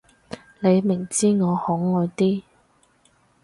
你明知我可愛啲